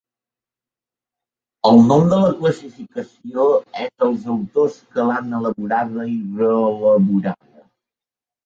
El nom de la classificació és el dels autors que l'han elaborada i reelaborada.